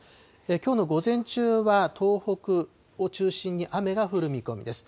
きょうの午前中は東北を中心に雨が降る見込みです。